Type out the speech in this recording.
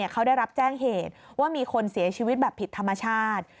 เขาได้รับแจ้งเหตุว่ามีคนเสียชีวิตแบบผิดธรรมชาติ